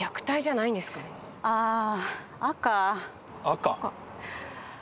ああ赤？